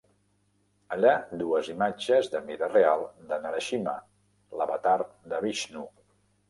Allà dues imatges de mida real de Narasimha, l"avatar de Vishnu.